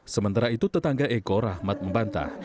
sementara itu tetangga eko rahmat membantah